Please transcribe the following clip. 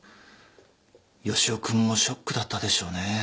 義男君もショックだったでしょうね。